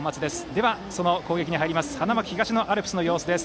では、その攻撃に入ります花巻東のアルプスの様子です。